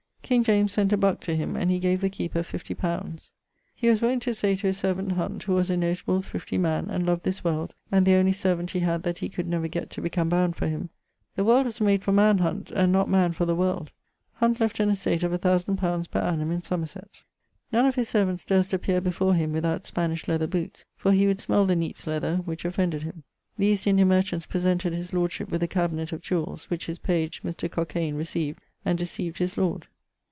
King James sent a buck to him, and he gave the keeper fifty pounds. He was wont to say to his servant Hunt, (who was a notable thrifty man, and loved this world, and the only servant he had that he could never gett to become bound for him) 'The world was made for man, Hunt; and not man for the world.' Hunt left an estate of 1000_li._ per annum in Somerset. None of his servants durst appeare before him without Spanish leather bootes: for he would smell the neates leather, which offended him. The East India merchants presented his lordship with a cabinet of jewells, which his page, Mr. Cockaine, recieved, and decieved his lord.